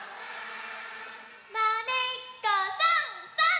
「まねっこさんさん」